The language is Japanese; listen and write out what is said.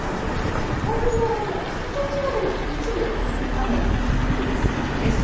そして太平洋側も関東地方でも一部雨が降りそうです。